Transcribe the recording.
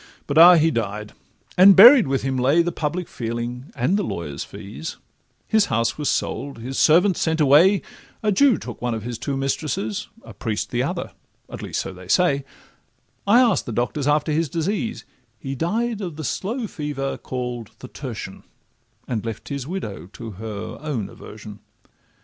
But, ah! he died; and buried with him lay The public feeling and the lawyers' fees: His house was sold, his servants sent away, A Jew took one of his two mistresses, A priest the other—at least so they say: I ask'd the doctors after his disease— He died of the slow fever call'd the tertian, And left his widow to her own aversion.